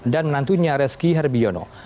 dan menantunya reski herbiono